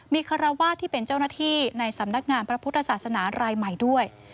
มีคารวาสที่เป็นเจ้าหน้าที่ในสำนักงานพระพุทธศาสนารายใหม่ด้วย